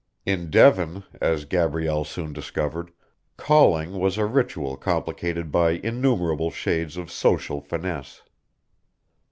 In Devon, as Gabrielle soon discovered, calling was a ritual complicated by innumerable shades of social finesse.